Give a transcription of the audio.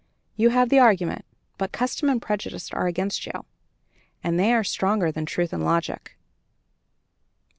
"You have the argument, but custom and prejudice are against you, and they are stronger than truth and logic."